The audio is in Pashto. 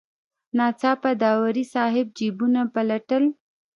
ناڅاپه داوري صاحب جیبونه پلټل.